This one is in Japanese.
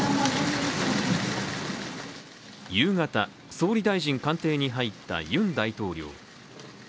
夕方、総理大臣官邸に入ったユン大統領。